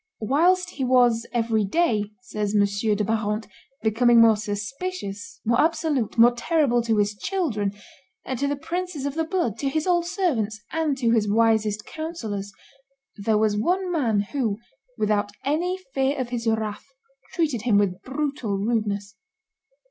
"Whilst he was every day," says M. de Barante, "becoming more suspicious, more absolute, more terrible to his children, to the princes of the blood, to his old servants, and to his wisest counsellors, there was one man who, without any fear of his wrath, treated him with brutal rudeness.